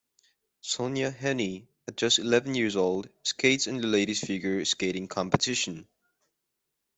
Sonja Henie, at just eleven years old, skates in the ladies' figure skating competition.